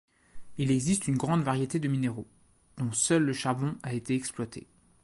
Il existe une grande variété de minéraux, dont seul le charbon a été exploité.